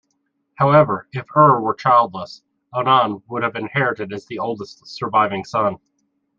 However, if Er were childless, Onan would have inherited as the oldest surviving son.